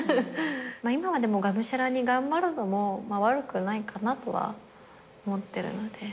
今はでもがむしゃらに頑張るのも悪くないかなとは思ってるので。